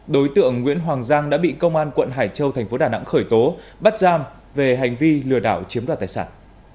đối tượng nguyễn hoàng giang đã bị công an quận hải châu thành phố đà nẵng khởi tố bắt giam về hành vi lừa đảo chiếm đoạt tài sản